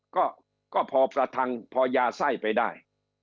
ก็พอประทังพอยาไส้ไปได้